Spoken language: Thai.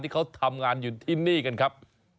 ที่เขาทำงานอยู่ที่นี่กันครับ